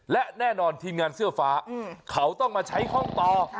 และแน่นอนทีมงานเสื้อฟ้าเขาต้องมาใช้ห้องต่อ